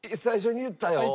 最初に言ったよ。